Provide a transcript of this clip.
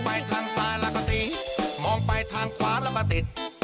ไหนถ่ายอะไร